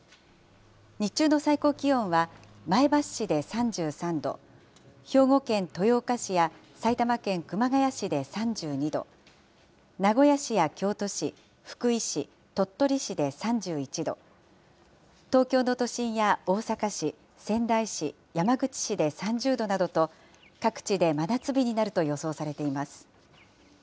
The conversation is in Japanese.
日中の最高気温は、前橋市で３３度、兵庫県豊岡市や埼玉県熊谷市で３２度、名古屋市や京都市、福井市、鳥取市で３１度、東京の都心や大阪市、仙台市、山口市で３０度などと、各地で真夏日になると予想されています。